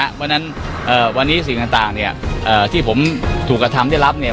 เพราะฉะนั้นวันนี้สิ่งต่างเนี่ยที่ผมถูกกระทำได้รับเนี่ย